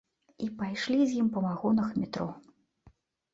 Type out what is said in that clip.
І пайшлі з ім па вагонах метро.